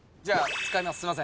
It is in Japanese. じゃあ使います。